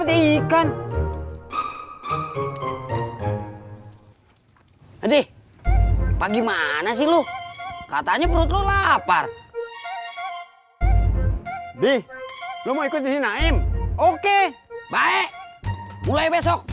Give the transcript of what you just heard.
nanti ikan adik bagaimana sih lu katanya perlu lapar di rumah ikuti naim oke baik mulai besok